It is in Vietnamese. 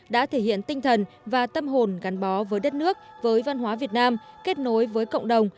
đã thể hiện tinh thần và tâm hồn gắn bó với đất nước với văn hóa việt nam kết nối với cộng đồng